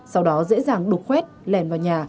sau đó dễ dàng đục khuét lèn vào nhà